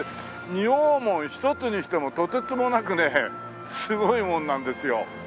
二王門一つにしてもとてつもなくねすごいものなんですよ。